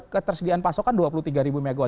ketersediaan pasokan dua puluh tiga mw